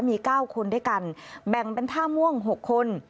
มี๙คนด้วยกันแบ่งเป็นท่าม่วง๖คน